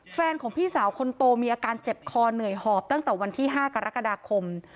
แฟนของพี่สาวคนโตมีอาการเจ็บคอเหนื่อยหอบตั้งแต่วันที่๕กรกฎาคม